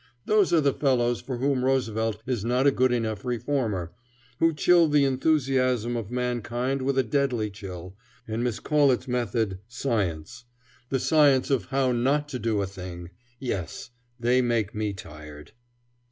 Those are the fellows for whom Roosevelt is not a good enough reformer; who chill the enthusiasm of mankind with a deadly chill, and miscall it method science. The science of how not to do a thing yes! They make me tired.